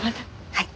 はい。